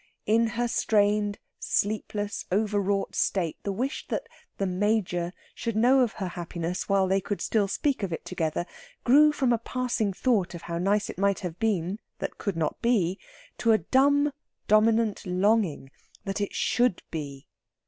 In her strained, sleepless, overwrought state the wish that "the Major" should know of her happiness while they could still speak of it together grew from a passing thought of how nice it might have been, that could not be, to a dumb dominant longing that it should be.